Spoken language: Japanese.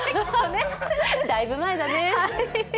だいぶ前だね。